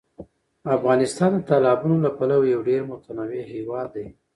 افغانستان د تالابونو له پلوه یو ډېر متنوع هېواد دی.